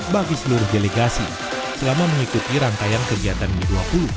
bagi seluruh delegasi selama mengikuti rangkaian kegiatan g dua puluh